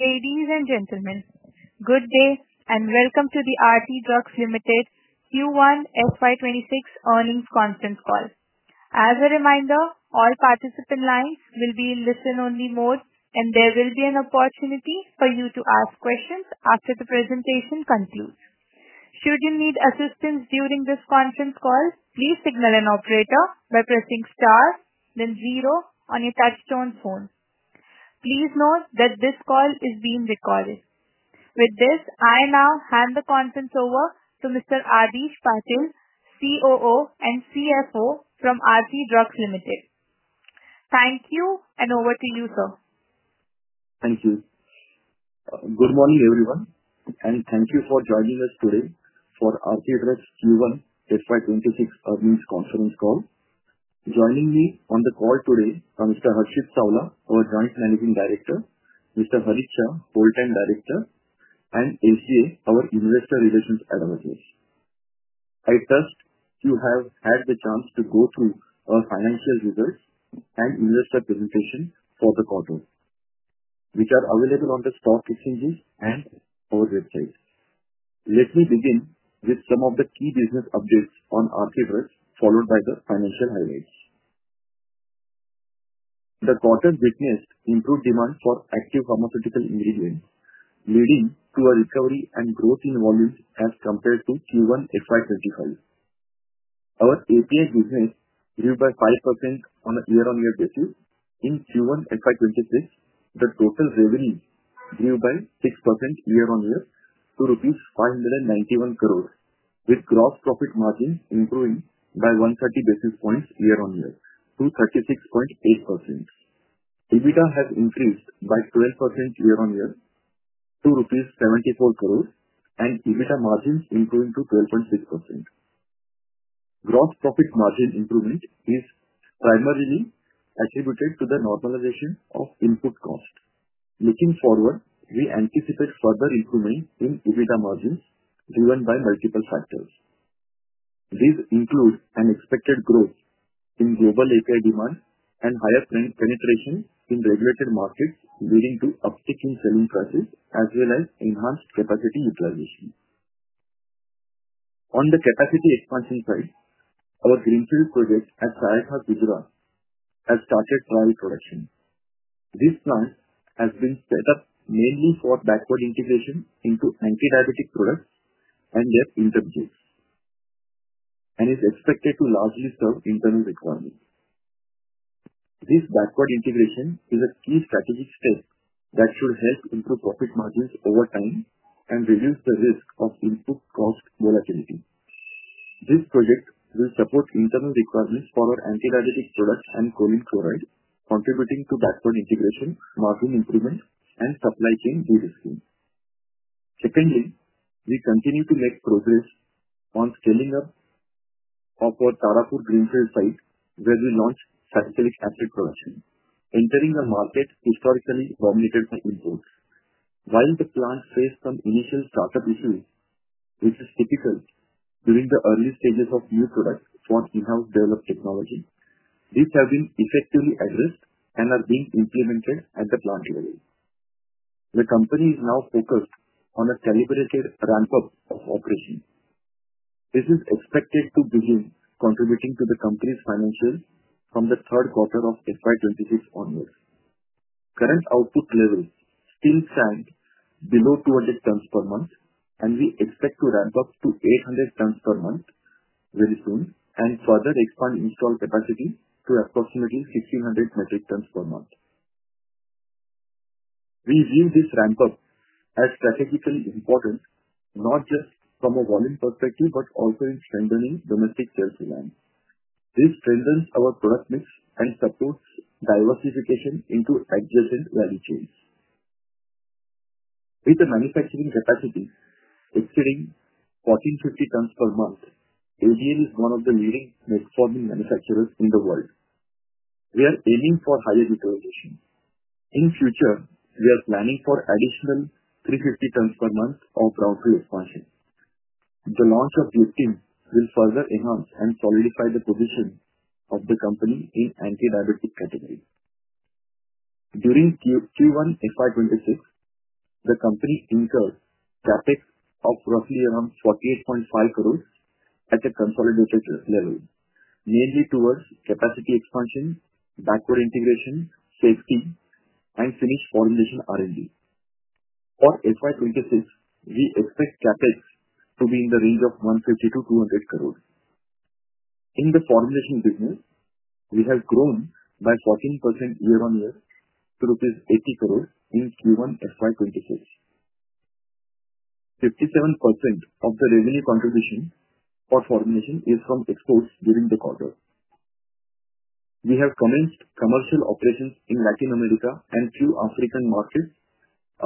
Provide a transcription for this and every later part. Ladies and gentlemen, good day and welcome to the Aarti Drugs Limited Q1 FY 2026 earnings conference call. As a reminder, all participant lines will be in listen-only mode, and there will be an opportunity for you to ask questions after the presentation concludes. Should you need assistance during this conference call, please signal an operator by pressing star, then zero on your touchtone phone. Please note that this call is being recorded. With this, I now hand the conference over to Mr. Adhish Patil, CFO and CFO from Aarti Drugs Limited. Thank you and over to you, sir. Thank you. Good morning, everyone, and thank you for joining us today for Aarti Drugs Limited Q1 FY 2026 earnings conference call. Joining me on the call today are Mr. Harshit Savla, our Joint Managing Director; Mr. Harit Shah, Project Director; and SGA, our Investor Relations Advisor. I trust you have had the chance to go through our financial results and investor presentation for the quarter, which are available on the stock exchanges and our website. Let me begin with some of the key business updates on Aarti Drugs Limited, followed by the financial highlights. The quarter's weakness improved demand for active pharmaceutical ingredients, leading to a recovery and growth in volumes as compared to Q1 FY 2025. Our API business grew by 5% on a year-on-year basis. In Q1 FY 2026, the total revenue grew by 6% year-on-year to rupees 591 crore, with gross profit margin improving by 130 basis points year-on-year to 36.8%. EBITDA has increased by 12% year-on-year to rupees 74 crore, and EBITDA margins improving to 12.6%. Gross profit margin improvement is primarily attributed to the normalization of input costs. Looking forward, we anticipate further improvement in EBITDA margins, driven by multiple factors. These include an expected growth in global API demand and higher trend penetration in regulated markets, leading to uptick in selling prices as well as enhanced capacity utilization. On the capacity expansion side, our greenfield project at Sayakha has started pilot production. This plant has been set up mainly for backward integration into antidiabetic products and their interface and is expected to largely serve internal requirements. This backward integration is a key strategic step that should help improve profit margins over time and reduce the risk of input cost volatility. This project will support internal requirements for our antidiabetic products and choline chloride, contributing to backward integration, volume improvements, and supply chain reducing. Secondly, we continue to make progress on scaling up of our Tarapur greenfield site, where we launched salicylic acid production, entering a market historically dominated by imports. While the plant faced some initial startup issues, which is typical during the early stages of new products once you have developed technology, these have been effectively addressed and are being implemented at the plant level. The company is now focused on a calibrated ramp-up of operations. This is expected to begin contributing to the company's financials from the third quarter of FY 2026 onwards. Current output level still stands below 200 tons per month, and we expect to ramp up to 800 tons per month very soon and further expand installed capacity to approximately 1,600 metric tons per month. We view this ramp-up as strategically important, not just from a volume perspective but also in strengthening domestic sales demand. This strengthens our product mix and supports diversification into adjacent value chains. With the manufacturing capacity exceeding 1,450 tons per month, ADL is one of the leading metformin manufacturers in the world. We are aiming for higher utilization. In the future, we are planning for additional 350 tons per month of ground-free expansion. The launch of this team will further enhance and solidify the position of the company in the antidiabetic category. During Q1 FY 2026, the company incurred CapEx of roughly around 48.5 crore at the consolidated level, mainly towards capacity expansion, backward integration, safety, and finished formulation R&D. For FY 2026, we expect CapEx to be in the range of 150 crores-200 crore. In the formulation business, we have grown by 14% year-on-year to INR 80 crore in Q1 FY 2026. 57% of the revenue contribution for formulation is from exports during the quarter. We have commenced commercial operations in Latin America and two African markets,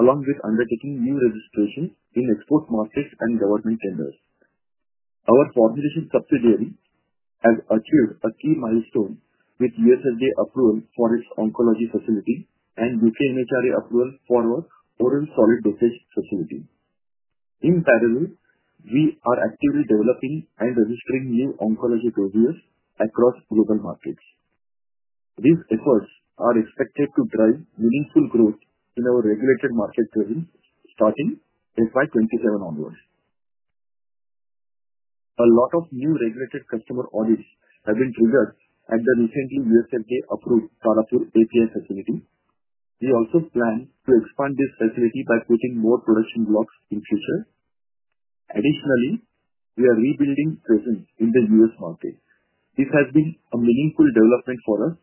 along with undertaking new registrations in export markets and government tenders. Our formulation subsidiary has achieved a key milestone with USFDA approval for its oncology facility and U.K. MHRA approval for our oral solid dosage facility. In parallel, we are actively developing and registering new oncology products across global markets. These efforts are expected to drive meaningful growth in our regulated market trend starting FY 2027 onwards. A lot of new regulated customer audits have been triggered at the recently USFDA-approved Tarapur API facility. We also plan to expand this facility by putting more production blocks in the future. Additionally, we are rebuilding presence in the U.S. market. This has been a meaningful development for us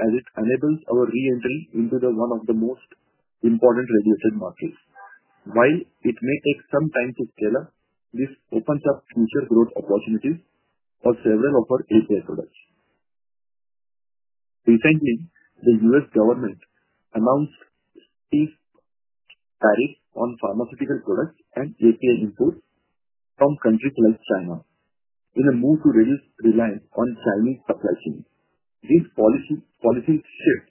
as it enables our reentry into one of the most important regulated markets. While it may take some time to scale up, this opens up future growth opportunities for several of our API products. Recently, the U.S. government announced a cease-marriage on pharmaceutical products and API imports from countries like China, in a move to reduce reliance on Chinese supply chains. This policy shift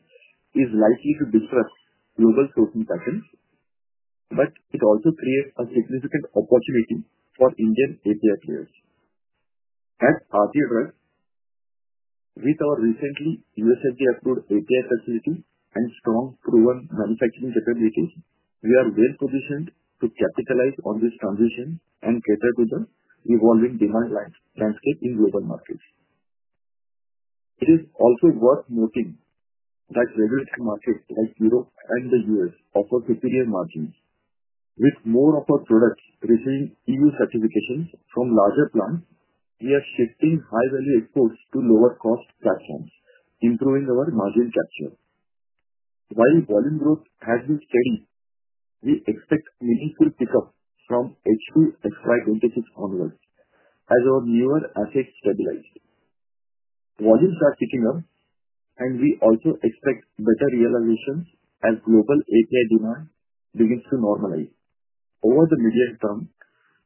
is likely to disrupt global stock markets, but it also creates a significant opportunity for Indian API players. At Aarti Drugs Limited, with our recently USFDA-approved API facility and strong proven manufacturing capabilities, we are well-positioned to capitalize on this transition and cater to the evolving demand landscape in global markets. It is also worth noting that regulated markets like Europe and the U.S. offer superior margins. With more of our products receiving EU certifications from larger plants, we are shifting high-value exports to lower-cost platforms, improving our margin capture. While volume growth has been steady, we expect meaningful pickup from H2 FY 2026 onwards as our newer assets stabilize. Volumes are picking up, and we also expect better realizations as global API demand begins to normalize. Over the medium term,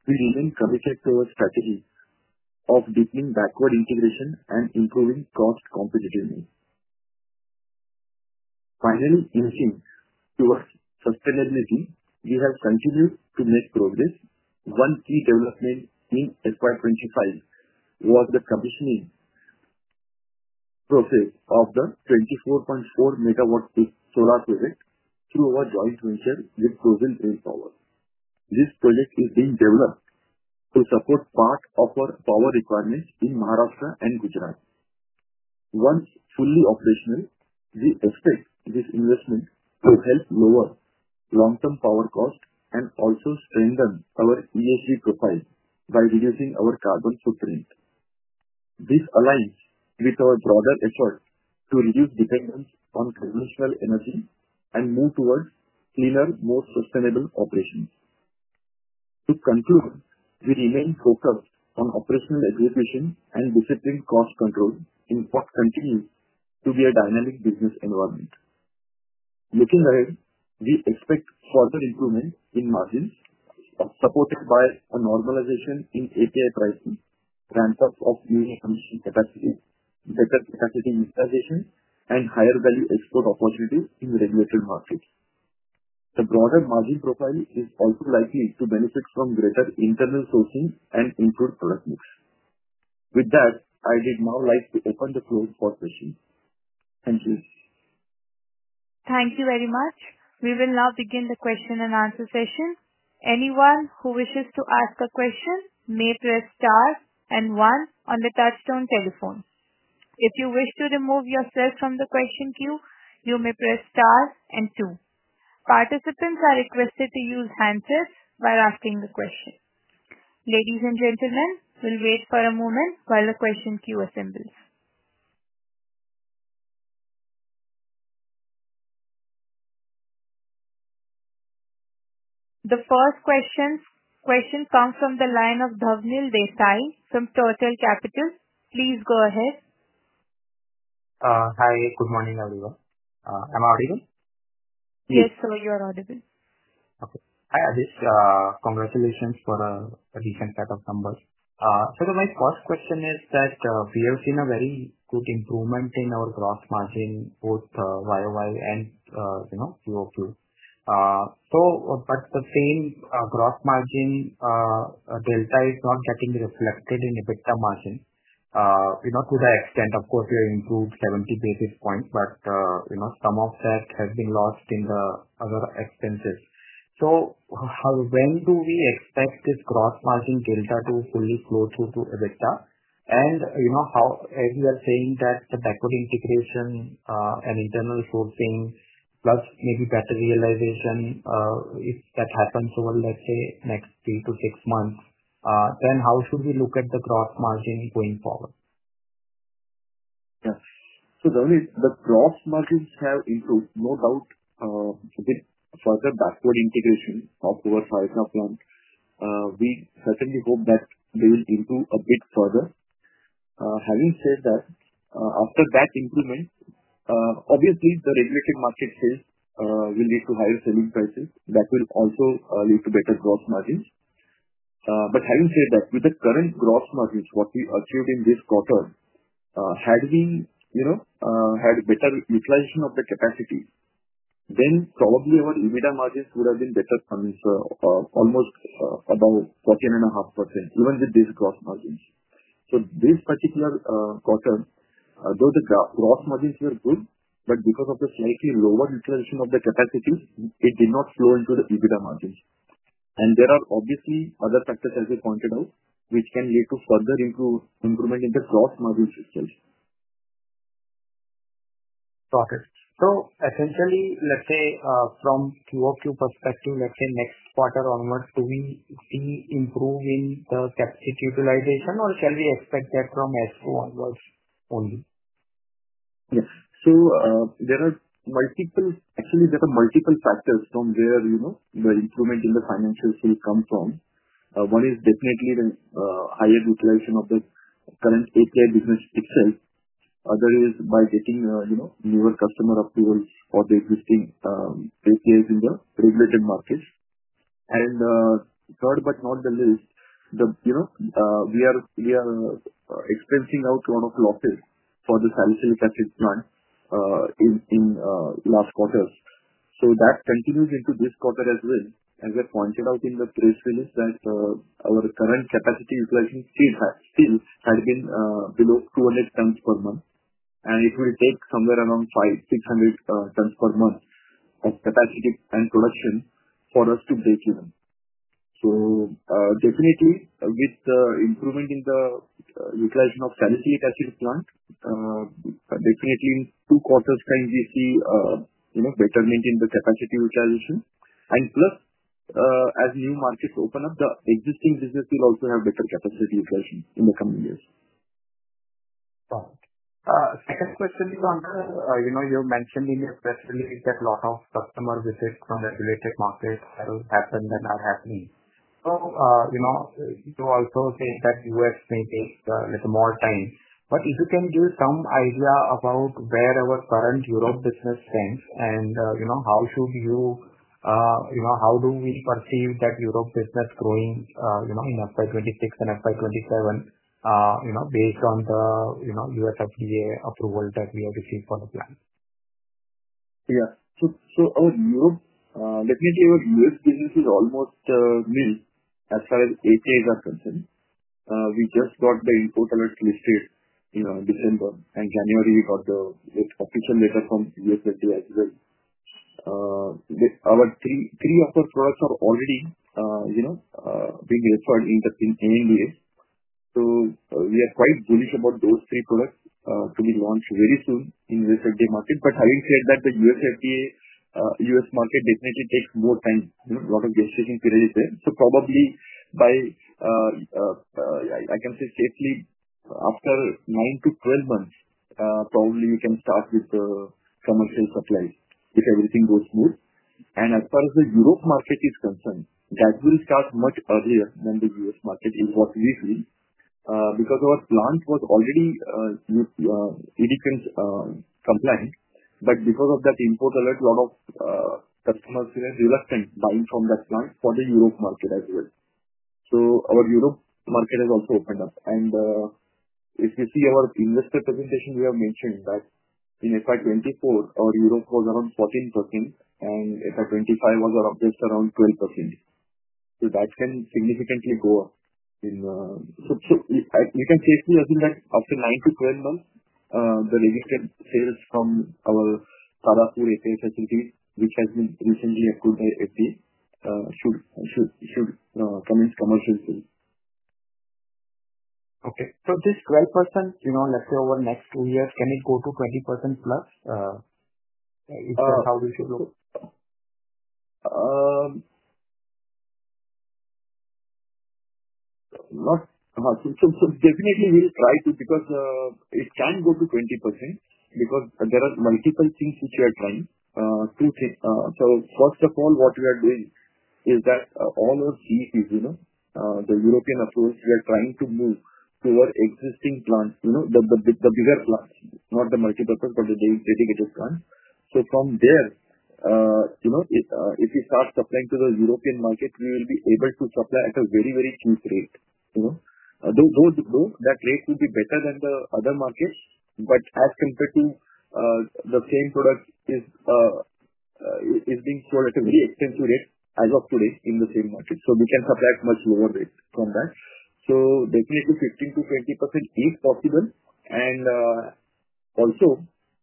we remain focused on our strategy of deepening backward integration and improving cost competitiveness. Finally, in addition to our sustainability, we have continued to make progress. One key development in FY 2025 was the commissioning process of the 24.4 MW solar project through our joint venture with Prozeal Green Power. This project is being developed to support part of our power requirements in Maharashtra and Gujarat. Once fully operational, we expect this investment to help lower long-term power costs and also strengthen our ESG profile by reducing our carbon footprint. This aligns with our broader effort to reduce dependence on conventional energy and move towards cleaner, more sustainable operations. To conclude, we remain focused on operational efficiency and disciplined cost control in what continues to be a dynamic business environment. Looking ahead, we expect further improvement in margins, supported by a normalization in API pricing, ramp-up of new commissioning capacity, better capacity utilization, and higher value export opportunities in regulated markets. The broader margin profile is also likely to benefit from greater internal sourcing and improved product mix. With that, I would now like to open the floor for questions. Thank you. Thank you very much. We will now begin the question and answer session. Anyone who wishes to ask a question may press star and one on the touchtone telephone. If you wish to remove yourself from the question queue, you may press star and two. Participants are requested to use handsets while asking the question. Ladies and gentlemen, we'll wait for a moment while the question queue assembles. The first question comes from the line of Dhawnil Desai from Turtle Capitals. Please go ahead. Hi, good morning, everyone. Am I audible? Yes, sir, you are audible. Okay. Hi, Adhish. Congratulations for a decent set of numbers. The very first question is that we have seen a very good improvement in our gross margin, both YoY and QoQ. The same gross margin delta is not getting reflected in EBITDA margin. To the extent, of course, we have improved 70 basis points, but some of that has been lost in the other expenses. How, when do we expect this gross margin delta to fully flow through to EBITDA? As you are saying, the backward integration and internal sourcing, plus maybe better realization, if that happens over, let's say, next three to six months, then how should we look at the gross margin going forward? Yes. So, Dhavlil, the gross margins have improved, no doubt, with further backward integration of our Saraikart Bidura plant. We certainly hope that they will improve a bit further. Having said that, after that improvement, obviously, the regulated market share will lead to higher selling prices. That will also lead to better gross margins. Having said that, with the current gross margins, what we achieved in this quarter, had there been better utilization of the capacity, then probably our EBITDA margins would have been better, coming almost about 14.5% even with these gross margins. This particular quarter, though the gross margins were good, because of the slightly lower utilization of the capacities, it did not flow into the EBITDA margins. There are obviously other factors, as you pointed out, which can lead to further improvement in the gross margin systems. Got it. Essentially, let's say from a QoQ perspective, next quarter onwards, do we see improving the capacity utilization, or shall we expect that from H2 onwards only? Yes. There are multiple factors from where the improvement in the financials will come from. One is definitely the higher utilization of the current API business itself. Another is by taking newer customer approvals for the existing APIs in the regulated markets. Third, we are experiencing now a lot of losses for the salicylic acid plant in the last quarter. That continues into this quarter as well. As I pointed out in the press release, our current capacity utilization still had been below 200 tons per month, and it will take somewhere around 500 tons-600 tons per month at capacity and production for us to break even. Definitely, with the improvement in the utilization of the salicylic acid plant, in two quarters' time we see betterment in the capacity utilization. Plus, as new markets open up, the existing business will also have better capacity utilization in the coming years. Got it. Second question, you mentioned in your press releases that a lot of customer visits from regulated markets have happened and are happening. To also think that U.S. may take a little more time. If you can give some idea about where our current Europe business stands and how do you, how do we perceive that Europe business growing in FY 2026 and FY 2027, based on the USFDA approval that we have received for the plant? Yeah. Our Europe, definitely, our U.S. business is almost, as far as APIs are concerned. We just got the import alerts listed in December, and January got the official letter from USFDA as well. Three of our products are already being referred in the main ways. We are quite bullish about those three products to be launched very soon in the USFDA market. Having said that, the USFDA, U.S. market definitely takes more time. A lot of jurisdiction period is there. Probably, I can say safely after 9 to 12 months, we can start with the commercial supplies if everything goes smooth. As far as the Europe market is concerned, that will start much earlier than the U.S. market is possibly doing, because our plant was already EDQM compliant. Because of that import alert, a lot of customers feel reluctant buying from that plant for the Europe market as well. Our Europe market has also opened up. If you see our investor presentation, we have mentioned that in FY 2024, our Europe was around 14%, and FY 2025 was our update around 12%. That can significantly go up, so you can safely assume that after 9 to 12 months, the registered sales from our Tarapur API facility, which has been recently approved by USFDA, should commence commercial sale. Okay. This 12%, you know, let's say over the next two years, can it go to 20%+? Is that how we should look? We'll try to because it can go to 20% because there are multiple things which we are trying to set. First of all, what we are doing is that all our CEPs, you know, the European approach, we are trying to move to our existing plants, the bigger plants, not the multi-purpose but the dedicated plants. From there, if we start supplying to the European market, we will be able to supply at a very, very cheap rate. That rate will be better than the other markets, but as compared to the same products, it is being sold at a very expensive rate as of today in the same market. We can supply at a much lower rate from that. Definitely 15%-20% is possible. Also,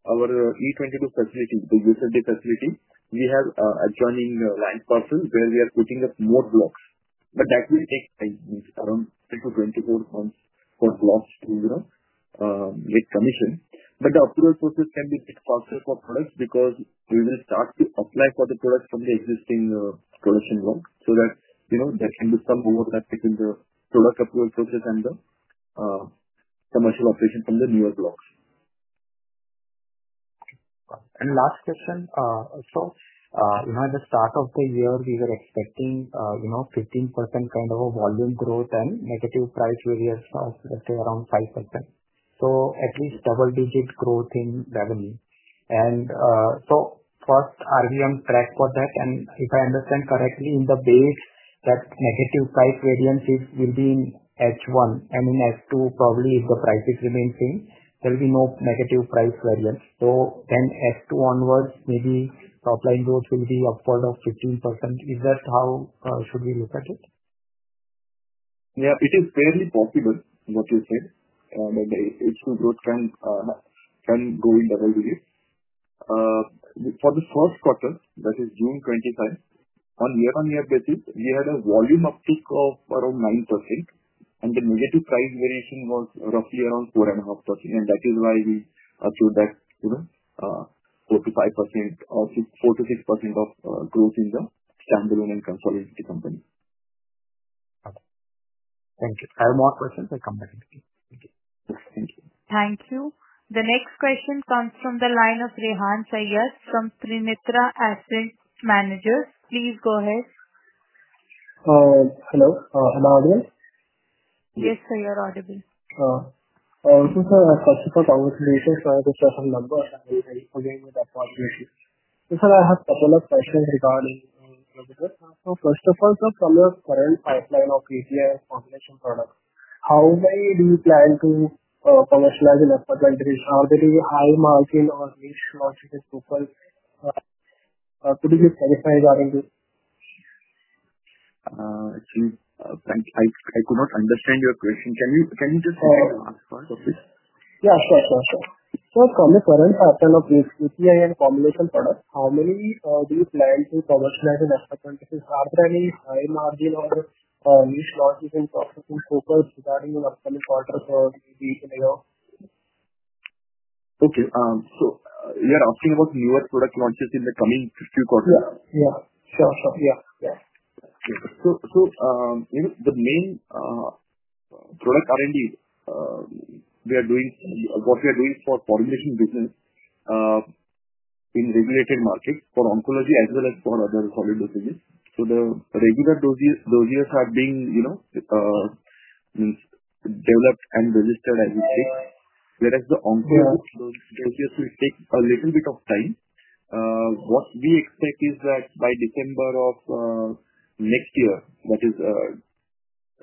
our E22 facility, the USFDA facility, we have adjoining land caution where we are putting up more blocks. That will take time, at least around 12 to 24 months for blocks to make commission. The approval process can be a bit faster for products because we will start to apply for the products from the existing products envelope. That can become more effective in the product approval process and the commercial operation from the newer blocks. Last question, at the start of the year, we were expecting 15% kind of a volume growth and negative price variance, let's say around 5%, so at least double-digit growth in revenue. First, are we on track for that? If I understand correctly, that negative price variance will be in H1, and in H2, probably if the prices remain the same, there will be no negative price variance. H2 onwards, maybe top line growth will be upward of 15%. Is that how we should look at it? Yeah, it is fairly possible what you said that the H2 growth can go in double digits. For the first quarter, that is June 2025, on year-on-year basis, we had a volume uptick of around 9%. The negative price variation was roughly around 4.5%. That is why we assumed that, you know, 4%-5% or 4%-6% of growth in the standalone and consolidated company. Got it. Thank you. Any more questions? I'll come back. Thank you. The next question comes from the line of Rehan Saiyyed from Trinetra Asset Managers. Please go ahead. Hello. Am I audible? Yes, sir, you are audible. Thank you, sir. I have a super power solutions. Sorry for the terrible number. I'm playing with the wrong places. Sir, I have a couple of questions regarding this. First of all, sir, from your current pipeline of API and formulation products, how many do you plan to commercialize in FY 2023? Are they going to be high margin or which logistics proposed to be commercialized are in this? I could not understand your question. Can you just ask for this? Yeah, sure. From your current pipeline of API and formulation products, how many do you plan to commercialize in FY 2026? Are there any high margin or which logistics proposed regarding an upcoming quarter or maybe in a year? Okay. You are asking about newer product launches in the coming few quarters? Yeah, sure. Yeah, yeah. Okay. The main product R&D, we are doing what we are doing for formulation business in regulated markets for oncology as well as for other solid dosages. The regular dosages have been developed and registered, I would say. Whereas the oncology, those dosages will take a little bit of time. What we expect is that by December of next year, that is,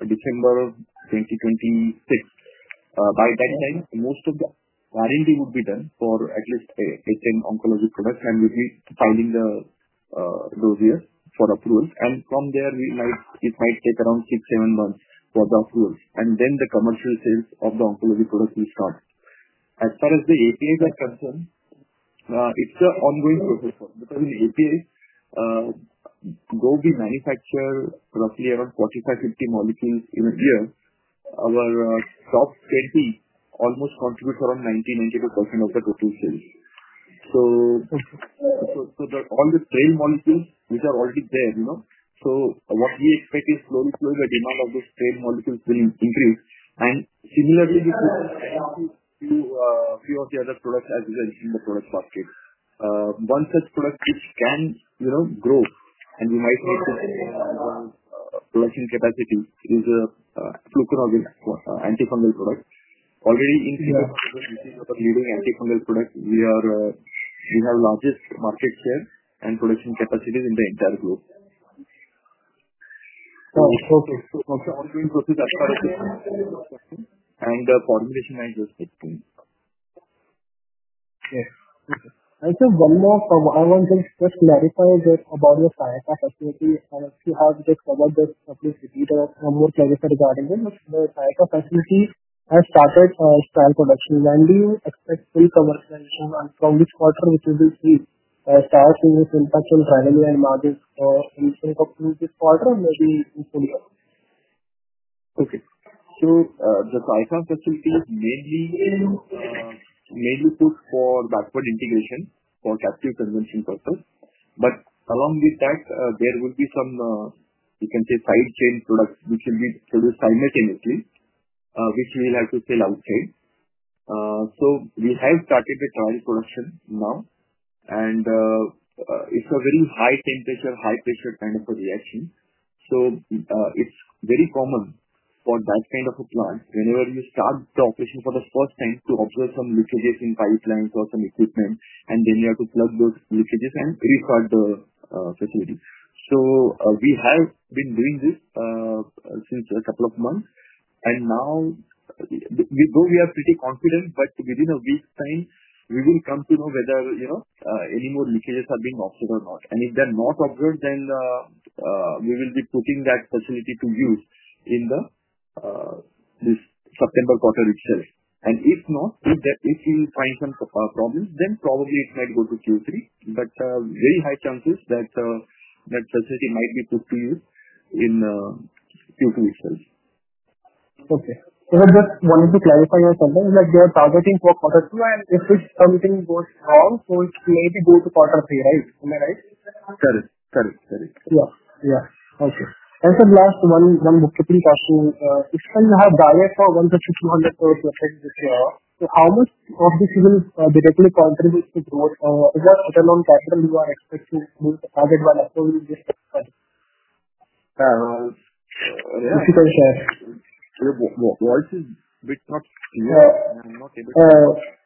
December of 2026, by that time, most of the R&D would be done for at least 18 oncology products, and we'll be filing the dosages for approvals. From there, it might take around six, seven months for the approvals. Then the commercial sales of the oncology products will start. As far as the APIs are concerned, it's an ongoing process because the APIs go with manufacturer roughly around 45 molecules, 50 molecules in a year. Our stocks can be almost contribute to around %, 92% of the total sales. There are all the trail molecules which are already there, you know. What we expect is slowly, slowly, the demand of those trail molecules will increase. Similarly, we propose to do a few of the other products as we are seeing the product market. One such product which can grow and we might need to grow production capacity is a fluconazole antifungal product. Already in the leading antifungal product, we have the largest market share and production capacity in the entire globe. It's also ongoing process as far as it goes. The formulation lines are still going. Yes, yes, sir. I just have one more comment. I want to just clarify a bit about the Sayakha facility and see how it is covered or at least either almost solicited R&D. The Sayakha facility has started a span production. When do you expect full commercialization? From which quarter would you receive Sayakha's impact on R&D and margins in this quarter and maybe in two years? Okay. The Sayakha facility is mainly used for backward integration for capsule conversion purpose. Along with that, there will be some, you can say, side chain products which will be produced simultaneously, which may have to sell out chains. We have started the trial production now. It's a very high-temperature, high-pressure kind of a reaction. It's very common for that kind of a plant whenever you start the operation for the first time to observe some leakages in pipelines or some equipment. You have to plug those leakages and refurb the facility. We have been doing this since a couple of months. Now, we thought we are pretty confident, but within a week's time, we will come to know whether any more leakages are being observed or not. If they're not observed, then we will be putting that facility to use in this September quarter itself. If not, if you find some problems, then probably it might go to Q3. Very high chances that facility might be put to use in Q3 itself. Okay. I just wanted to clarify my question. You are targeting for quarter two, and if everything goes wrong, it's clearly going to quarter three, right? Am I right? Correct. Correct. Correct. Okay. The last one is on the cookie cutter. It's going to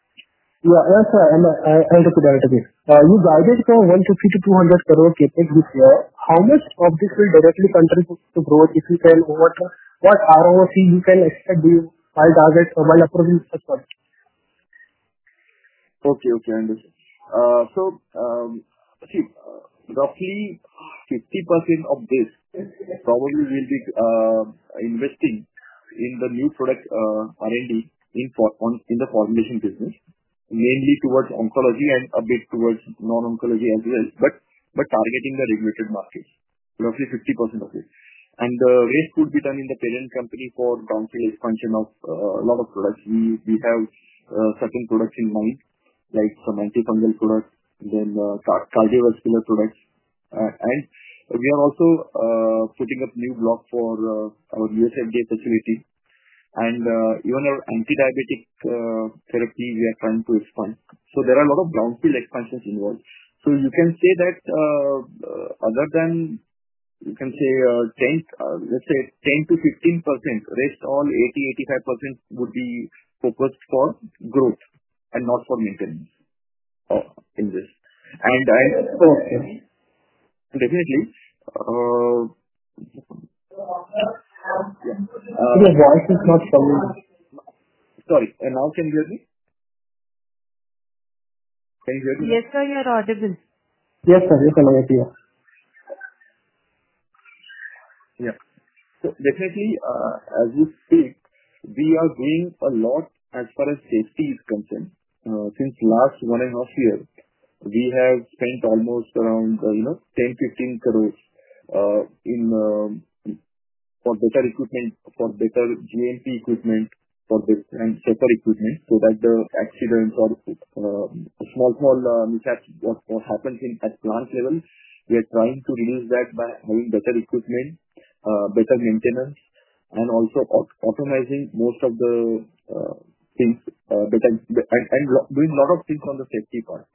have diets of INR 150 crore-INR 200 crore this year. How much of this will directly contribute to growth? Is there a minimum quarter you are expecting to be the target when approvals are? What is this big stuff? Yeah, sir, I'm going to put it like this. You guys are saying INR 150 crore-INR 200 crore for CapEx this year. How much of this will directly contribute to growth if you can overcome? What ROCE can you expect to be by targets when approvals occur? Okay. I understand. Roughly 50% of this probably will be investing in the new products, R&D in the formulation business, mainly towards oncology and a bit towards non-oncology as well, but targeting the regulated markets, roughly 50% of it. The rest would be done in the parent company for ground-free expansion of a lot of products. We have certain products in mind, like some antifungal products, then cardiovascular products. We are also putting up new blocks for our USFDA facility. Even our antidiabetic therapy we are trying to expand. There are a lot of ground-filled expansions involved. You can say that, other than, you can say, 10%, let's say 10%-15%, rest all 80%, 85% would be focused for growth and not for maintenance, in this. Okay. Definitely, your voice is not coming. Sorry. Now can you hear me? Can you hear me? Yes, sir, you are audible. Yes, sir. Yes, I'm audible. Yeah. Definitely, as you said, we are doing a lot as far as safety is concerned. Since the last one and a half years, we have spent almost around 10 crores- 15 crores for better equipment, for better GMP equipment, and separate equipment so that the accident or small mishaps or what happens at plant level, we are trying to reduce that by having better equipment, better maintenance, and also optimizing most of the things better and doing a lot of things on the safety part.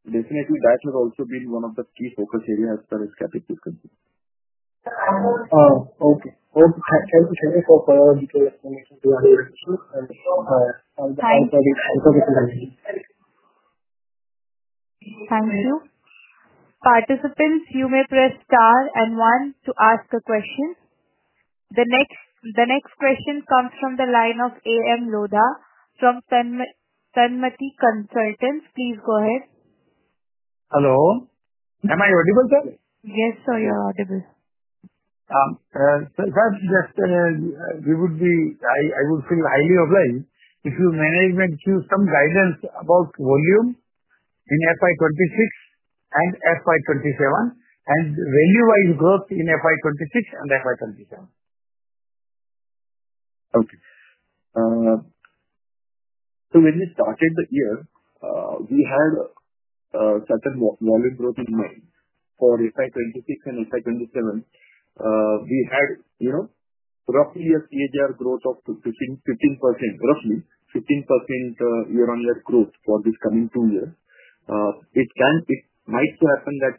That has also been one of the key focus areas as far as capital. Thank you. Participants, you may press star and one to ask a question. The next question comes from the line of A.M. Lodha from Sanmati Consultants. Please go ahead. Hello. Am I audible, sir? Yes, sir, you are audible. Sir, I would feel highly obliged if you manage and give some guidance about volume in FY 2026 and FY 2027 and value-wise growth in FY 2026 and FY 2027. Okay. When we started the year, we had a certain volume growth in mind for FY 2026 and FY 2027. We had, you know, roughly a CAGR growth of 15%, roughly 15% year-on-year growth for these coming two years. It might so happen that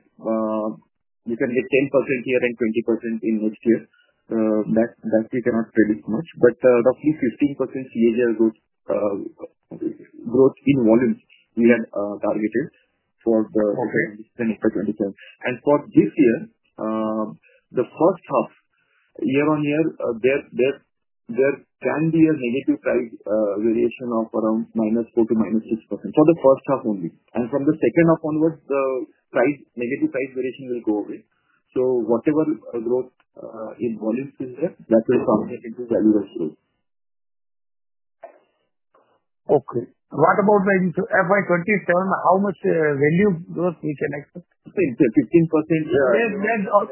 you can hit 10% here and 20% in next year. That we cannot predict much. Roughly 15% CAGR growth in volume we are targeting for FY 2027. For this year, the first half, year-on-year, there can be a negative price variation of around -4% to -6% for the first half only. From the second half onwards, the negative price variation will go away. Whatever growth in volume is there, that will contribute to value as well. Okay. What about in FY 2027? How much value growth we can expect? 15%. Yeah, it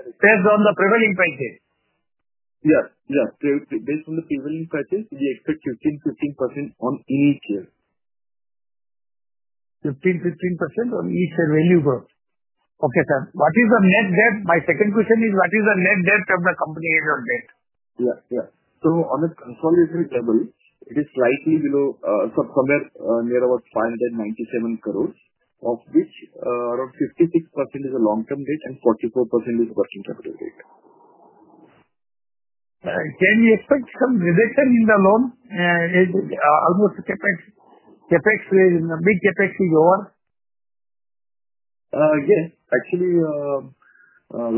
depends on the prevailing prices. Yeah. Yeah. Based on the prevailing prices, we expect 15%, 15% on each year. 15%, 15% on each year value growth. Okay, sir. What is the net debt? My second question is, what is the net debt of the company as of date? Yeah. On a consolidated table, it is slightly below, somewhere near about 597 crore, of which around 56% is a long-term debt and 44% is a personal debt. Can you expect some reduction in the loan? Almost the CapEx, the big CapEx is over? Yes, actually,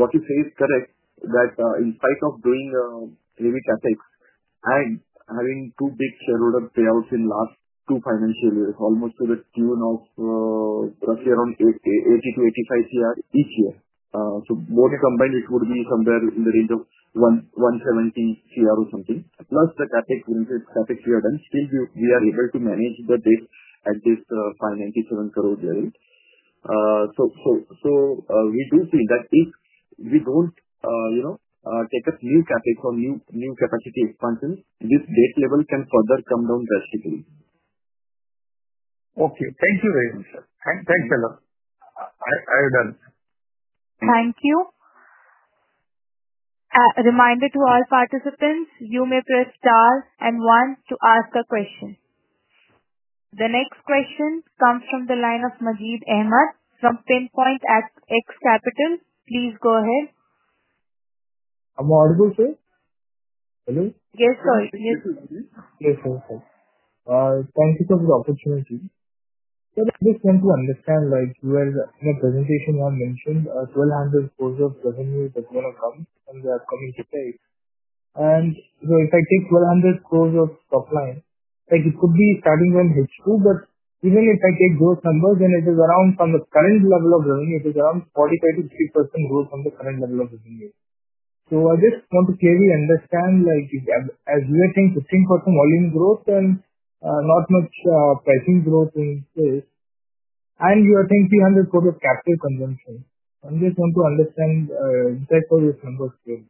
what you're saying is correct that in spite of being a heavy CapEx and having two big shareholder payouts in the last two financial years, almost to the tune of roughly around 80 crore-85 crore each year, so combined, it would be somewhere in the range of 170 crore or something. Plus the CapEx, we are done. Still, we are able to manage the debt at this 597 crore level. We do see that if we don't, you know, take a new CapEx or new capacity expansion, this debt level can further come down drastically. Okay, thank you very much, sir, and thanks a lot. I have done it. Thank you. A reminder to all participants, you may press star and one to ask a question. The next question comes from the line of Majid Ahamed from PinpointX Capital. Please go ahead. Am I audible, sir? Hello? Yes, sir. Yes, sir. Yes, sir. Thank you, sir, for the opportunity. Sir, if you can understand, like where the presentation one mentioned, 1,200 crores of revenue is again a hump in the upcoming Q3. If I take 1,200 crores of top line, like it could be starting from H2, but even if I take those numbers, then it is around, from the current level of revenue, it is around 45%-50% growth on the current level of revenue. I just want to clearly understand, like as we are saying 15% volume growth and not much pricing growth in place, and we are saying 300 crores of capital consumption. I just want to understand the impact on this number scale.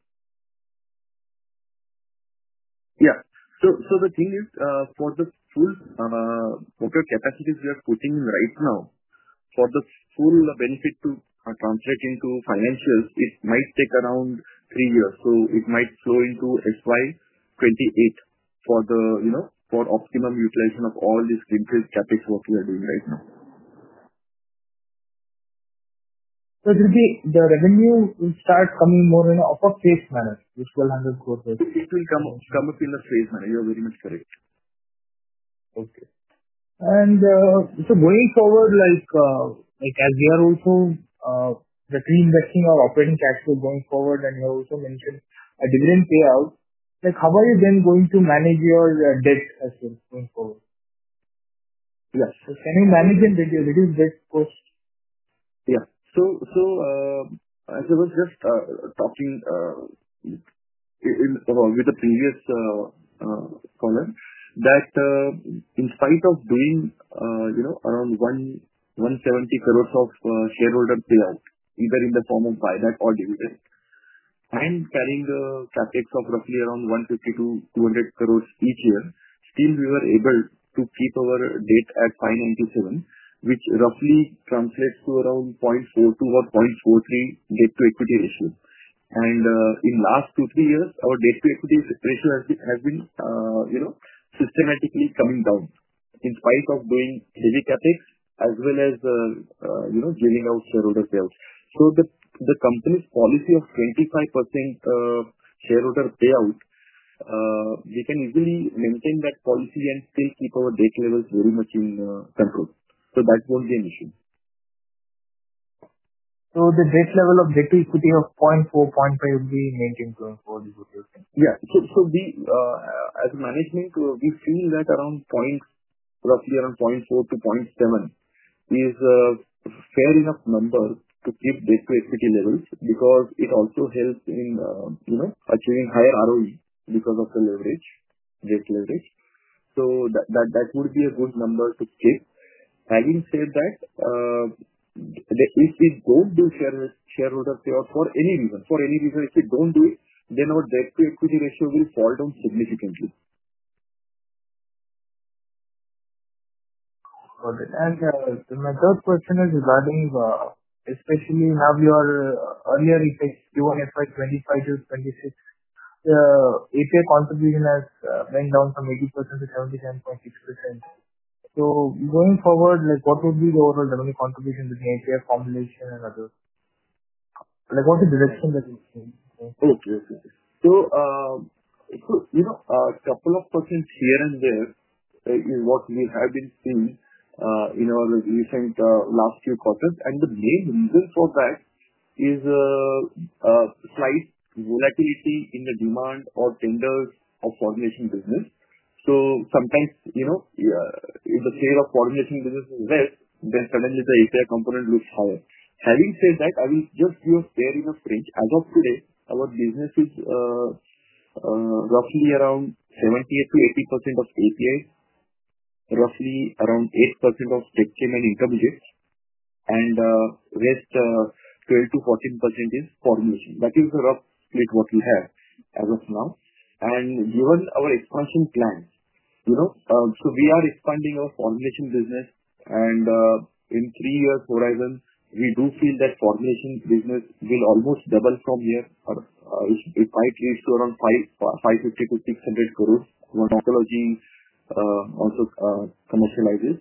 Yeah. The thing is, for the full, whatever capacities we are putting in right now, for the full benefit to translate into financials, it might take around three years. It might flow into FY 2028 for the, you know, for optimum utilization of all these clinical CapEx work we are doing right now. The revenue will start coming more in an upward phase manner, this INR 1,200 crore. It will come up in a phased manner. You're very much correct. Okay. Moving forward, like as you are also the reinvesting of operating cash flow going forward, and you also mentioned a billion payout, how are you then going to manage your debt assets going forward? Yes. Can you manage it with your little zip? Yeah. As I was just talking with the previous caller, in spite of being, you know, around 170 crore of shareholder payout, either in the form of buyback or delivery, and carrying a CapEx of roughly around 150 crore-200 crore each year, we were still able to keep our debt at 597 crore, which roughly translates to around 0.42 or 0.43 debt-to-equity ratio. In the last two to three years, our debt-to-equity ratio has been, you know, systematically coming down in spite of heavy CapEx as well as, you know, giving out shareholder payouts. The company's policy of 25% shareholder payout, we can easily maintain that policy and still keep our debt levels very much in control. That won't be an issue. Will the debt level of debt-to-equity of 0.4-0.5 be maintained for this whole year? We, as a management, feel that around 0.4-0.7 is a fair enough number to keep debt-to-equity levels because it also helps in achieving higher ROE because of the debt leverage. That would be a good number to keep. Having said that, if we don't do shareholder payout for any reason, if we don't do it, then our debt-to-equity ratio will fall down significantly. Got it. My third question is regarding, especially you have your earlier intakes, Q1 FY 2025 to FY 2026, the API contribution has went down from 80% to 77.6%. Going forward, what would be the overall revenue contribution between API, formulation, and other? What's the direction that you've seen? Thank you, sir. A couple of percentage here and there is what we have been seeing in our recent last few quarters. The main reason for that is a slight volatility in the demand or tenders of formulation business. Sometimes, in the sale of formulation business is there, then suddenly the API component looks higher. Having said that, I will just give a fair enough range. As of today, our business is roughly around 70%-80% of APIs, roughly around 8% of Spec Chem and intermediaries and the rest, 12%-14% is formulation. That is a rough plate what we have as of now. Given our expansion plan, we are expanding our formulation business. In three years' horizon, we do feel that formulation business will almost double from here. It might reach to around 550 crores-600 crores where oncology also commercializes.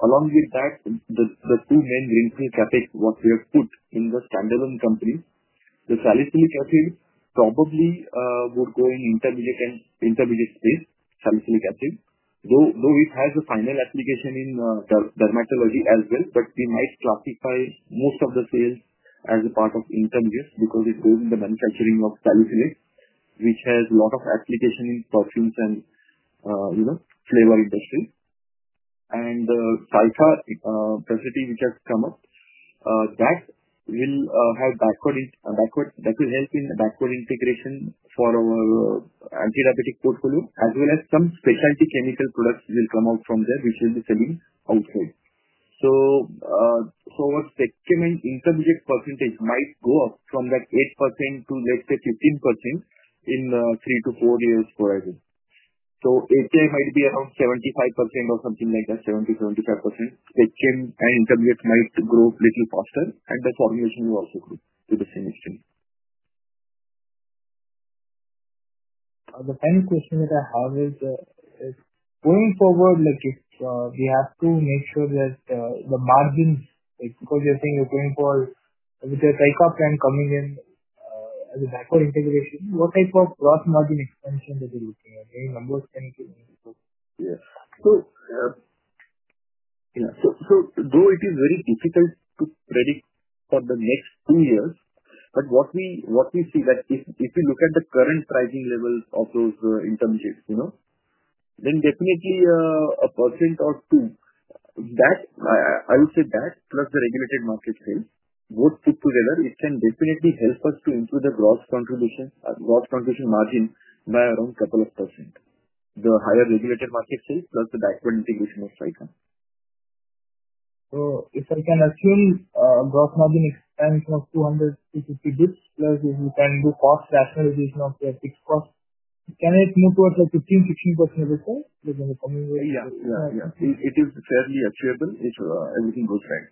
Along with that, the resting main greenfield CapEx, what we have put in the standalone company, the salicylic acid probably would go in intermediate and intermediate space, salicylic acid. Though it has a final application in dermatology as well, we might classify most of the sales as a part of intermediates because it goes in the manufacturing of salicylics, which has a lot of application in perfumes and flavor industry. The sulfur property which has come up will help in backward integration for our antidiabetic portfolio, as well as some specialty chemical products which will come out from there, which will be selling outside. Our Spec Chem and intermediaries percentage might go up from that 8% to, let's say, 15% in three to four years' horizon. API might be around 75% or something like that, 70, 75%. Spec Chem and intermediates might grow a little faster, and the formulation will also grow to the same extent. Another question is, how does it going forward, like if we have to make sure that the margins, because you're saying you're going for, with your Sayakha plant coming in, as a backward integration, what type of growth margin expansion that you're looking at? Any numbers? It is very difficult to predict for the next two years, but what we see is that if you look at the current pricing levels of those intermediates, then definitely, a percent or two, I would say, plus the regulated market sales, both put together, can definitely help us to improve the gross contribution margin by around a couple of percent. The higher regulated market sales plus the backward integration of Sayakha. If I can assure a growth margin expansion of 200bps-250 bps plus if you can do cost rationalization of the fixed cost, can it move towards a 15%, 16% risk? Yeah, yeah. It is fairly achievable if everything goes right.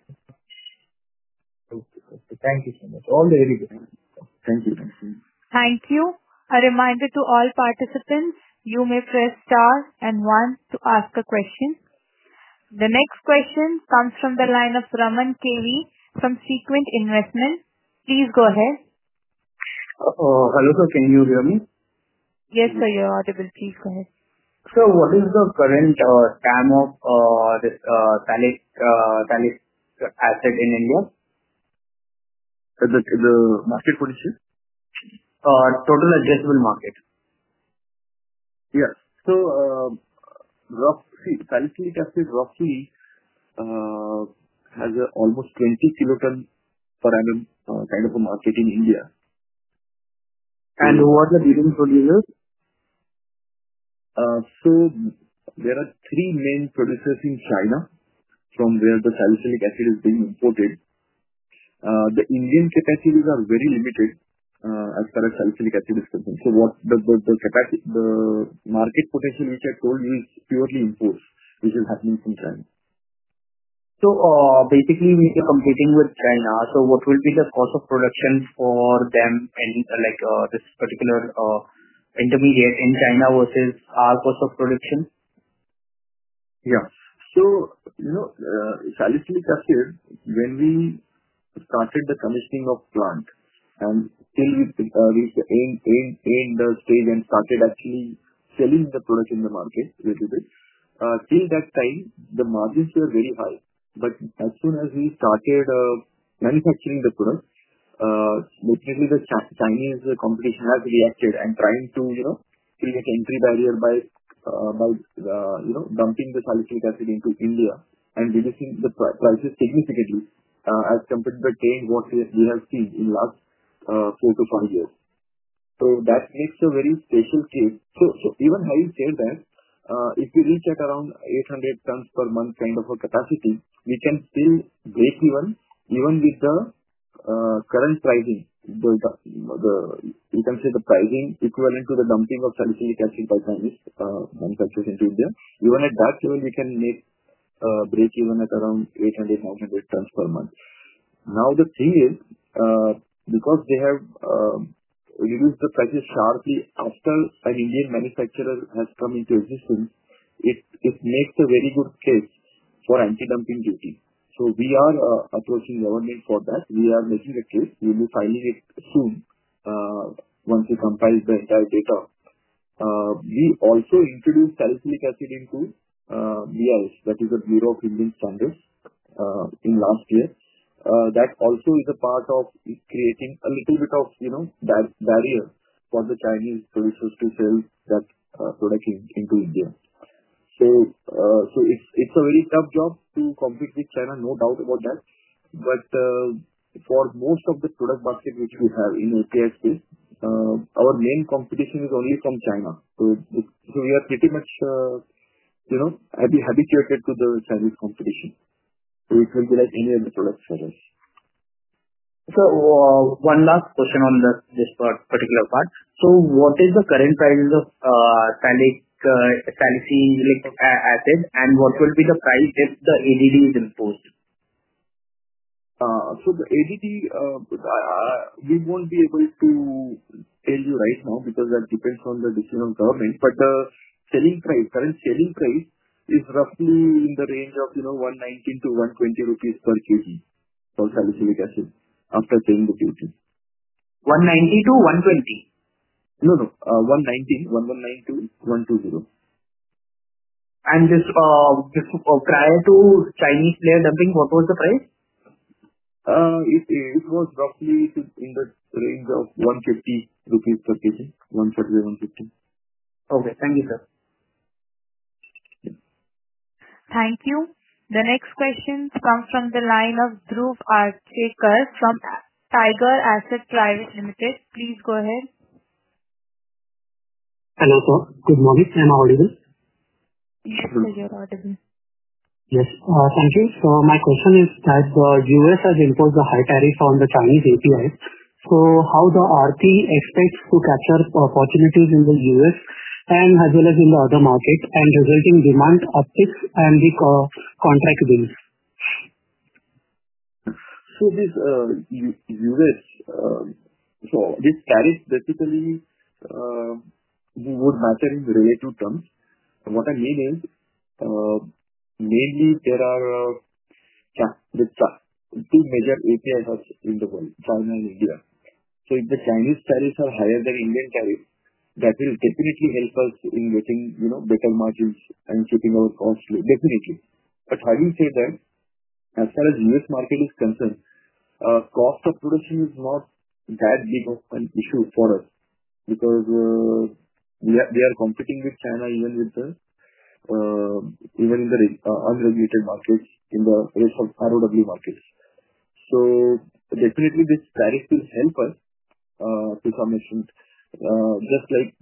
Maitri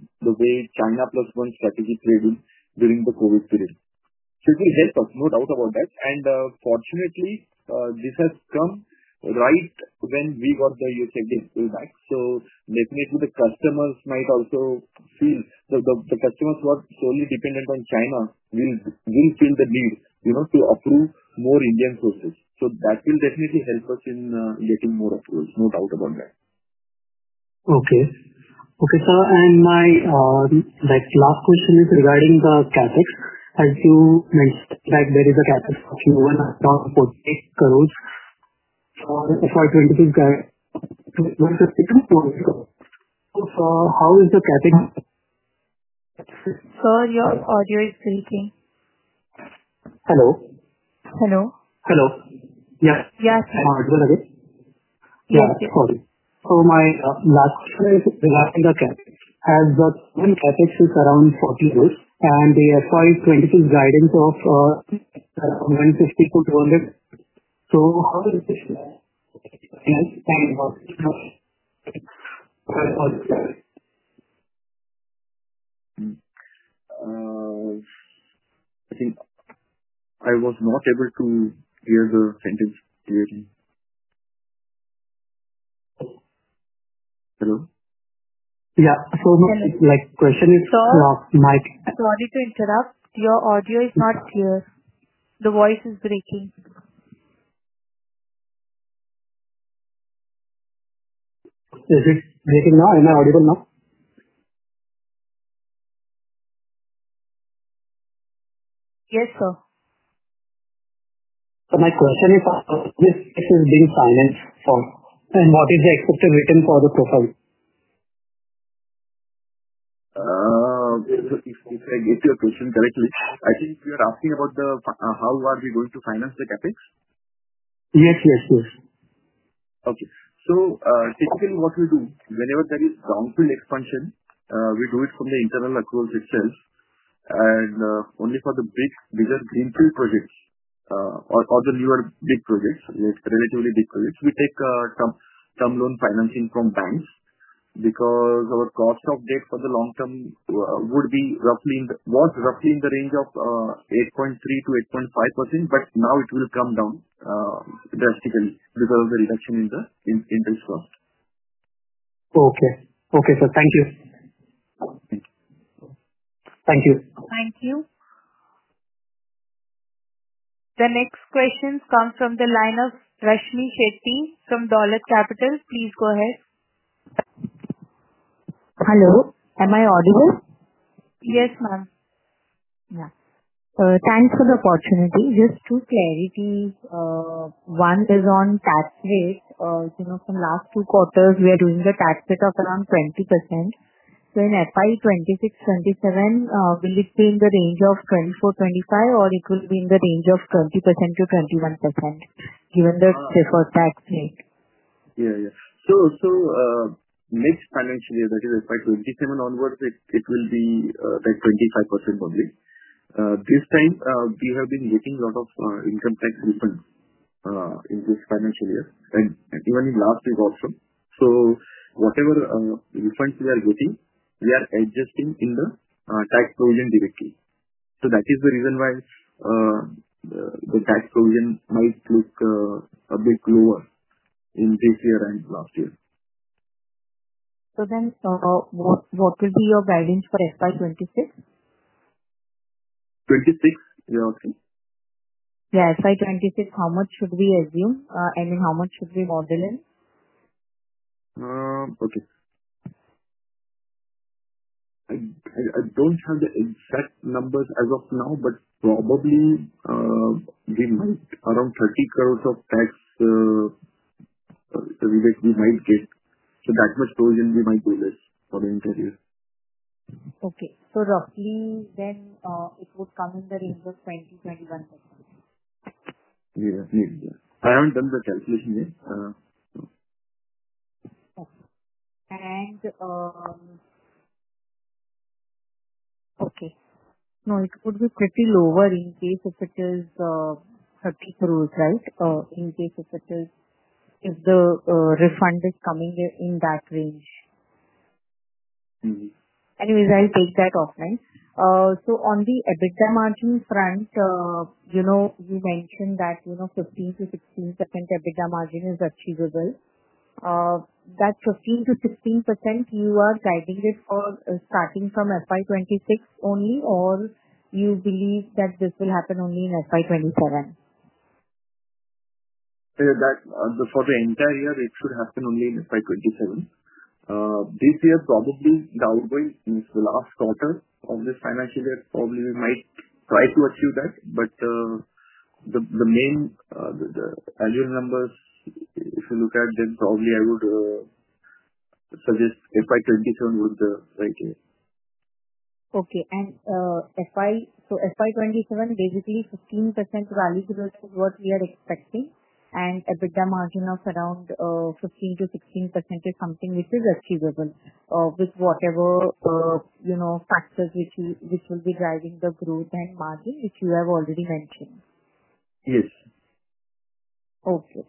Shah from Sapphire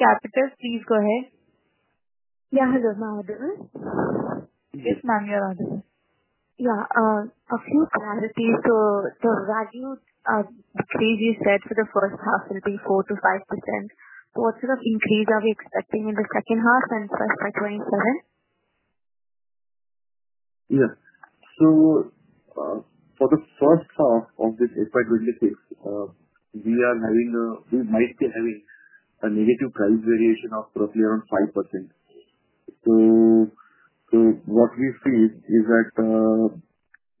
Capital. Please go ahead. Yeah. Hello, am I audible? Yes, ma'am. You're audible. Yeah, a few questions. The value stays the same for the first half, so I think 4%-5%. What sort of increase are we expecting in the second half and first by 2027? Yeah. For the first half of this FY 2026, we are having, we might be having a negative price variation of roughly around 5%. What we see is that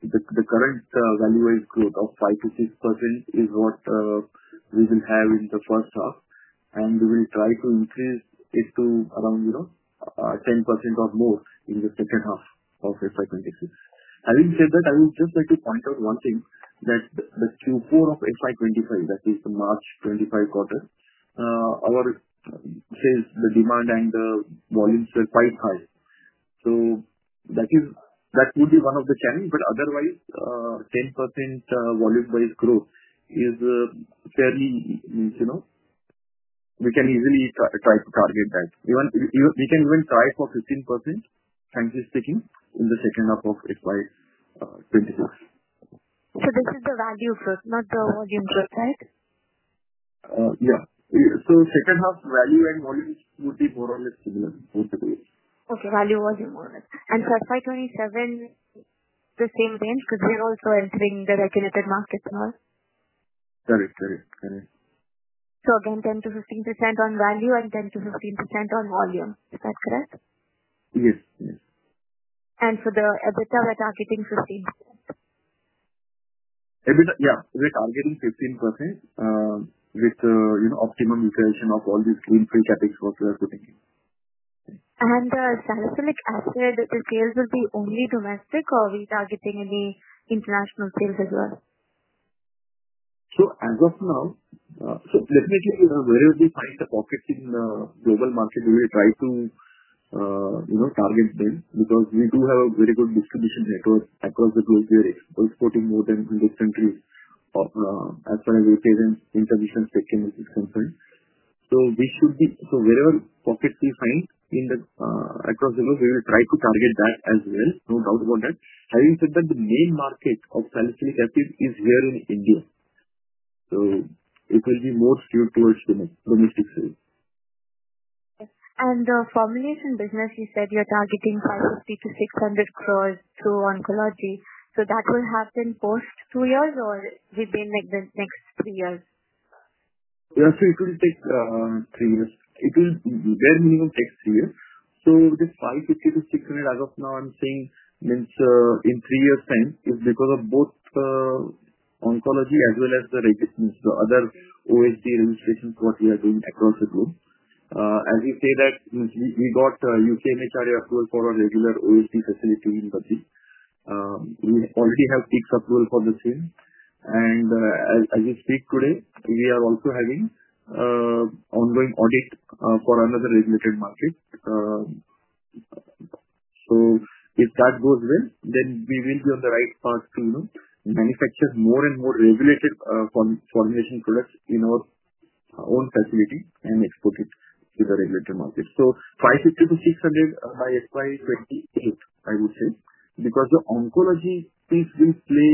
the current value-based growth of 5%-6% is what we will have in the first half. We will try to increase it to around 10% or more in the second half of FY 2026. Having said that, I would just like to point out one thing that the support of FY 2025, that is the March 2025 quarter, our, says the demand and the volumes were quite high. That will be one of the challenges. Otherwise, 10% volume-based growth is, fairly, you know, we can easily try to target that. We can even try for 15%, chances-taking, in the second half of FY 2025. This is the value first, not the volumes of, right? Yeah. Second half value and volume would be more or less similar, both agree. Okay. Value, volume, and FY 2027, the same range because we're also entering the regulated market now? Correct. Correct. Correct. Again, 10%-15% on value and 10%-o 15% on volume. Is that correct? Yes, yes. For the EBITDA, we're targeting 15%? EBITDA, yeah. We're targeting 15% with, you know, optimum utilization of all these greenfield CapEx work we are putting in. Will the salicylic acid sales be only domestic, or are we targeting any international sales as well? Definitely, we are rarely finding the pockets in the global market where we try to, you know, target them because we do have a very good distribution network across the globe here. We're exporting to more than 100 countries, as far as we're hearing information is taken with this company. Wherever pockets we find across the globe, we will try to target that as well, no doubt about that. Having said that, the main market of salicylic acid is here in India, so it will be more geared towards domestic sales. Okay. The formulation business, you said you're targeting 550 crores-600 crore through oncology. Will that happen post two years or within the next three years? Yeah. It will take three years. It will be very minimum, takes three years. Within 550 crore-600 crore as of now, I'm saying means in three years' time is because of both oncology as well as the registrations, the other OSD registration code we are doing across the globe. As you say, we got a U.K. MHRA approval for our regular OSD facility in Baddi. We already have peak approval for the same. As you state today, we are also having ongoing audit for another regulated market. If that goes well, then we will be on the right path to manufacture more and more regulated formulation products in our own facility and export it to the regulated market. 550 crore-600 crore by FY 2028, I would say, because the oncology piece will play.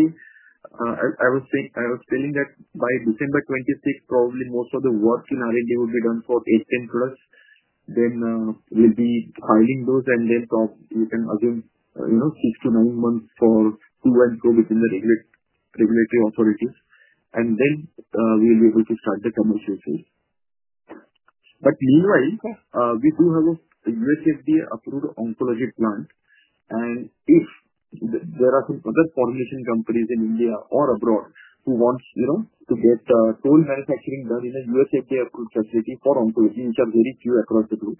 I was saying, I was telling that by December 2026, probably most of the work in R&D will be done for ASIN products. Then, we'll be hiring those, and then we can assume six to nine months for proof and show within the regulatory authorities. Then, we'll be able to start the commercial sale. Meanwhile, we do have a USFDA-approved oncology plant. If there are some other formulation companies in India or abroad who want to get tool manufacturing done in a USFDA-approved facility for oncology, which are very few across the globe,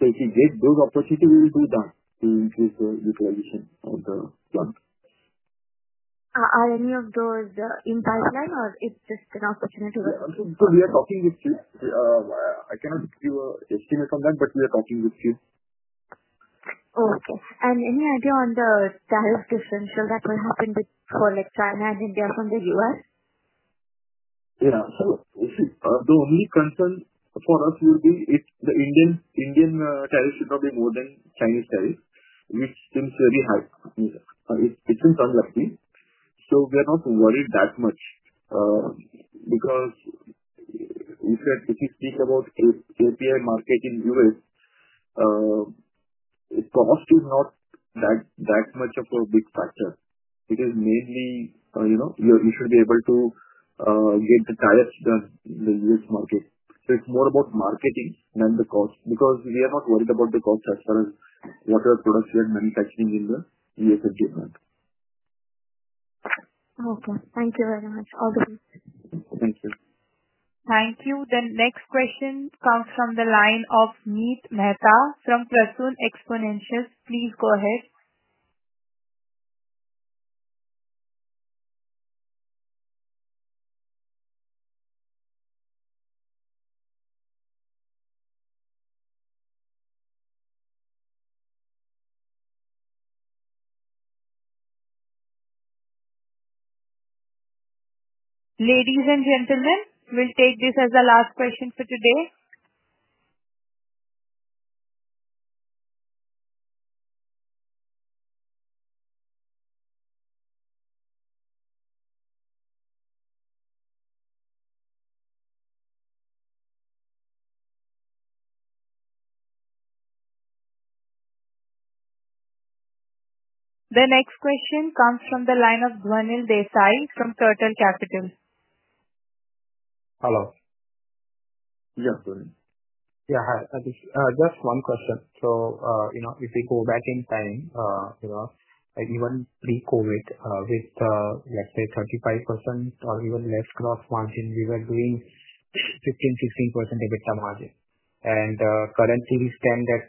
if we get those opportunities, we will do that to increase the utilization of the plant. Are any of those in pipeline, or it's just an opportunity? We are talking with few. I cannot give an estimate on that, but we are talking with few. Okay. Any idea on the tariff difference that will help in the China and India from the U.S.? Yeah. The only concern for us would be if the Indian tariffs should not be more than Chinese tariffs, which seems very high. It seems unlikely. We are not worried that much because if you speak about the API market in the U.S., cost is not that much of a big factor. It is mainly, you know, you should be able to get the tariffs done in the U.S. market. It's more about marketing than the cost because we are not worried about the cost as far as whatever products we are manufacturing in the USFDA part. Okay, thank you very much. All the best. Thank you. Thank you. The next question comes from the line of Nit Mehta from Prasoon Exponentials. Please go ahead. Ladies and gentlemen, we'll take this as the last question for today. The next question comes from the line of Dhuanil Desai from Turtle Capital. Hello. Yeah. Yeah. Hi, Adhish. Just one question. If we go back in time, even pre-COVID, with, let's say, 35% or even less gross margin, we were doing 15%-16% EBITDA margin. Currently, we stand at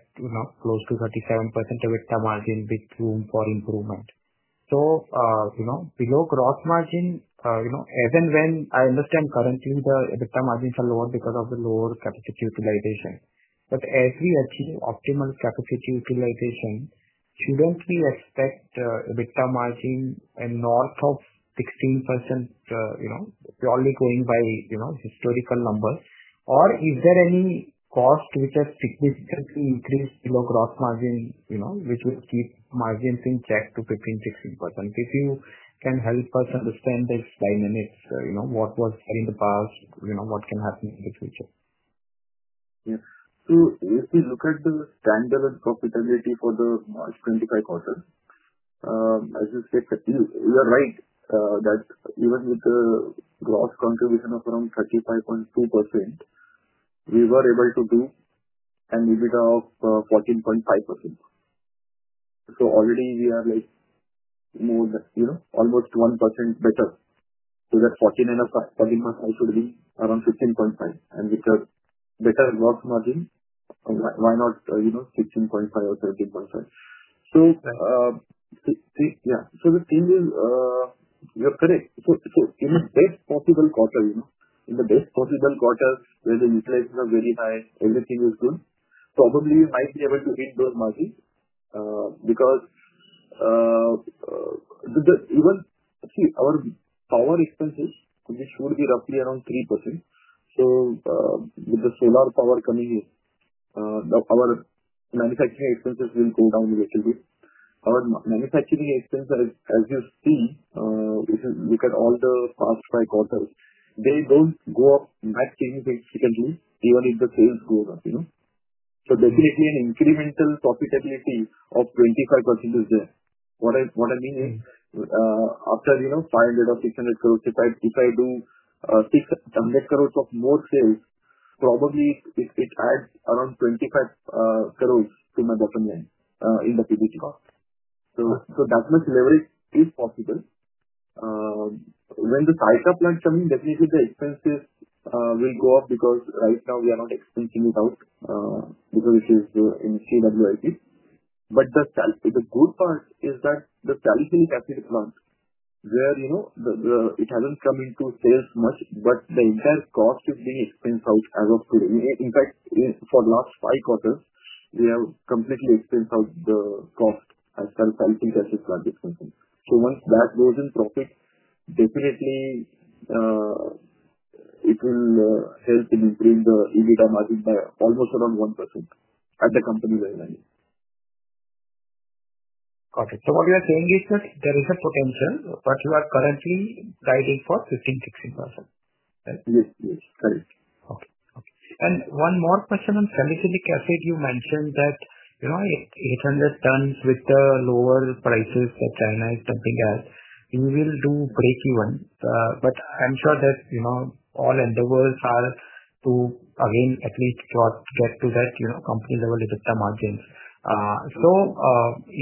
close to 37% gross margin with room for improvement. Below gross margin, as I understand, currently, the EBITDA margins are lower because of the lower capacity utilization. As we achieve optimal capacity utilization, even if you expect EBITDA margin north of 16%, we're only going by historical numbers. Is there any cost which has significantly increased below gross margin, which would keep margins in check to 15%-16%? If you can help us understand those dynamics, what was in the past, what's happening in the future? Yes. If we look at the standard and profitability for the March 2025 quarter, as you said, you are right that even with the gross contribution of around 35.2%, we were able to do an EBITDA of 14.5%. Already, we are almost 1% better. That 14.5% margin should be around 15.5%. With a better gross margin, why not 15.5% or 13.5%? The thing is, you're correct. In the best possible quarter where the utilizers are very high, everything is good, probably I'd be able to hit those margins, because even our power expenses, which would be roughly around 3%. With the solar power coming in, our manufacturing expenses will go down a little bit. Our manufacturing expenses, as you see, if you look at all the past five quarters, they don't go up much anyway, even if the sales go up. Definitely, an incremental profitability of 25% is there. What I mean is, after 500 crore or 600 crores, if I do 600 crores of more sales, probably it adds around 25 crores to my bottom line, in the PBT cost. That much leverage is possible. When the Tyson plant is coming, definitely, the expenses will go up because right now we are not expensing it out, because it is in CWIP. The good part is that the Talisman CapEx plant, where it hasn't come into sales much, but the entire cost is being expensed out as of today. In fact, for the last five quarters, we have completely expensed out the cost as far as Talisman CapEx plant is concerned. Once that goes in profit, definitely, it will help in the EBITDA margin by almost around 1% at the company level. Got it. What you're saying is that there is a potential, but you are currently guiding for 15%-16%, right? Yes, yes. Correct. Okay. One more question on salicylic acid. You mentioned that if 800 tons with the lower prices that China is pumping out, you will do break even. I'm sure that all endeavors are to, again, at least work to that company-level EBITDA margins.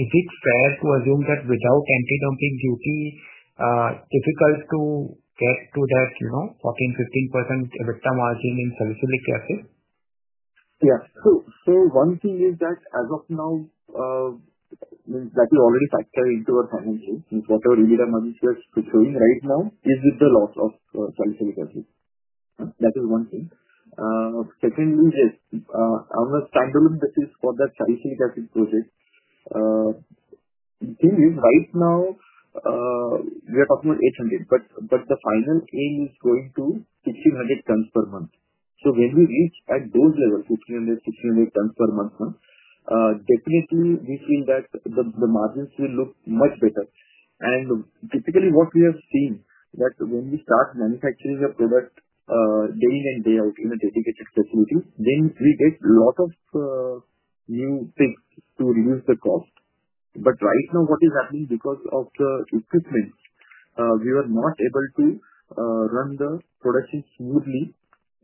Is it fair to assume that without anti-dumping duty, it's difficult to get to that 14%, 15% EBITDA margin in salicylic acid? Yeah. One thing is that as of now, we already factor into our financials whatever EBITDA margin is showing right now is with the loss of salicylic acid. That is one thing. Secondly, yes, our standalone business for the salicylic acid project, the thing is right now, we are talking about 800 tons, but the final aim is going to 1,600 tons per month. When we reach those levels, 1,500 tons, 1,600 tons per month, definitely, we feel that the margins will look much better. Typically, what we have seen is that when we start manufacturing a product day in and day out in a dedicated facility, we get a lot of new things to reduce the cost. Right now, what is happening because of the equipment, we were not able to run the production smoothly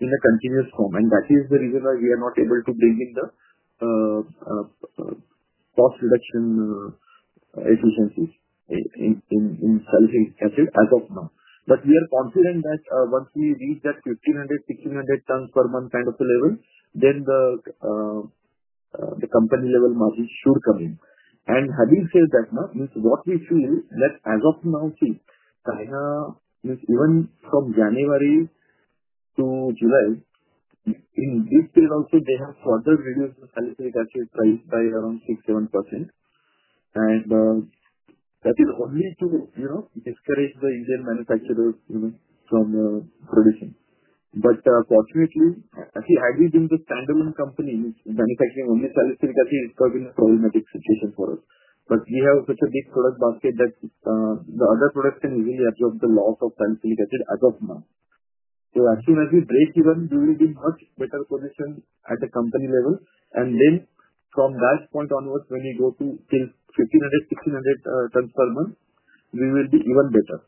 in a continuous form. That is the reason why we are not able to bring in the cost reduction agencies in salicylic acid as of now. We are confident that once we reach that 1,500 tons, 1,600 tons per month kind of level, then the company-level margin should come in. Having said that, what we feel is that as of now, China, even from January to July, in this period also, they have further reduced the salicylic acid price by around 6%, 7%. That is only to discourage the Indian manufacturer from producing. Fortunately, as we aggregate the standalone companies in manufacturing only salicylic acid, it's probably a problematic situation for us. We have such a big product basket that the other products can easily absorb the loss of salicylic acid as of now. As soon as we break even, we will be in much better condition at the company level. From that point onwards, when you go to 1,500 tons, 1,600 tons per month, we will be even better.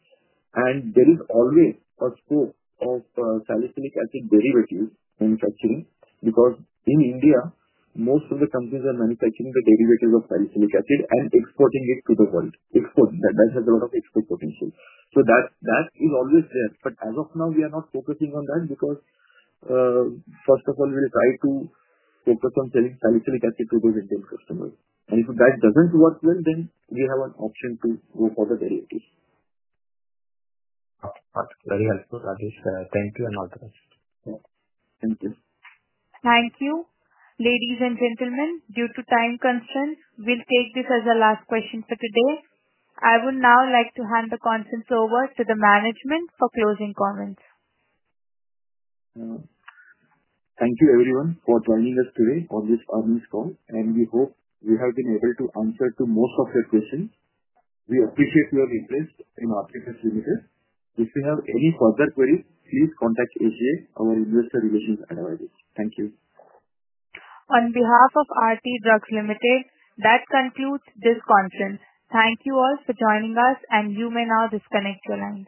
There is always a scope of salicylic acid derivatives manufacturing because in India, most of the companies are manufacturing the derivatives of salicylic acid and exporting it to the world. Export, that has a lot of export potential. That is always there. As of now, we are not focusing on that because, first of all, we will try to focus on selling salicylic acid to those Indian customers. If that doesn't work well, then we have an option to go for the derivatives. Got it. Very helpful, Adhish. Thank you and all the rest. Thank you. Thank you. Ladies and gentlemen, due to time constraints, we'll take this as the last question for today. I would now like to hand the comments over to the management for closing comments. Thank you, everyone, for joining us today on this earnings call. We hope we have been able to answer most of your questions. We appreciate your interest in Aarti Drugs Limited. If you have any further queries, please contact SGA, our investor relations advisor. Thank you. On behalf of Aarti Drugs Limited, that concludes this consent. Thank you for joining us, and you may now disconnect your line.